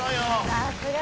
さすが。